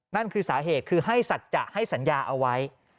นั่นคือสาเหตุคือให้สัจจะให้สัญญาเอาไว้